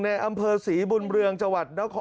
ในอำเภอศรีบุญเบืองจังหวัด